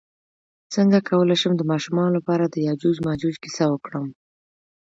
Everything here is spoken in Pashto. څنګه کولی شم د ماشومانو لپاره د یاجوج ماجوج کیسه وکړم